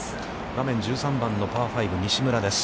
画面は１３番のパー５、西村です。